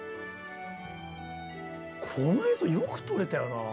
この映像よく撮れたよな。